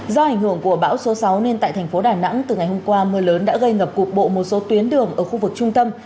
do ảnh hưởng của bão số sáu nên tại thành phố đà nẵng từ ngày hôm qua mưa lớn đã gây ngập cục bộ một số tuyến đường ở khu vực trung tâm